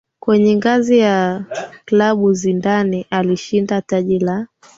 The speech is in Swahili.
Kwenye ngazi ya klabu Zidane alishinda taji la